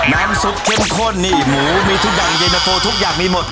น้ำซุปเข้มข้นนี่หมูมีทุกอย่างเย็นตะโฟทุกอย่างมีหมด